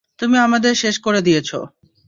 তুমি আমাদের শেষ করে দিয়েছ!